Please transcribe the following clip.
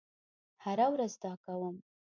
هره ورځ دا کوم